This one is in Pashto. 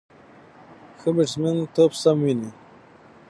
ښه بیټسمېن توپ سم ویني.